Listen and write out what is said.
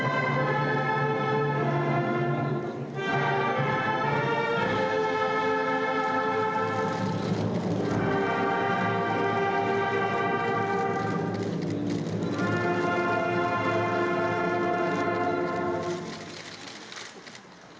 ketua keputusan presiden republik indonesia ini